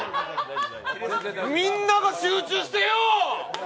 みんなが集中してよぉ！